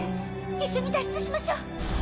一緒に脱出しましょう。